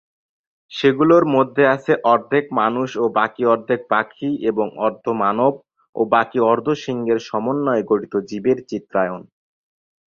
সেগুলোর মধ্যে আছে অর্ধেক মানুষ ও বাকি অর্ধেক পাখি এবং অর্ধ মানব ও বাকি অর্ধ সিংহের সমন্বয়ে গঠিত জীবের চিত্রায়ন।